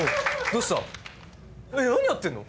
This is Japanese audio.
何やってんの？